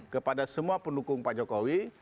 kepada semua pendukung pak jokowi